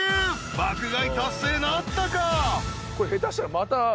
［爆買い達成なったか？］